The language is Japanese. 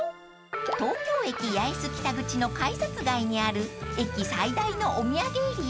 ［東京駅八重洲北口の改札外にある駅最大のお土産エリア